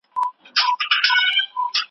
که د ټولني اصلاح غواړی، نو روزنه مه پريږدئ.